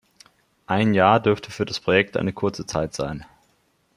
Ein Jahr dürfte für das Projekt eine kurze Zeit sein.